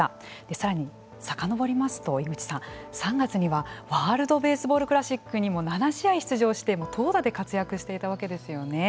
さらに、さかのぼりますと井口さん、３月にはワールドベースボールクラシックにも７試合出場して投打で活躍していたわけですよね。